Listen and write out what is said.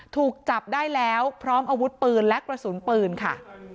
ถูกจับได้แล้วพร้อมอาวุธปืนและกระสุนปืนค่ะ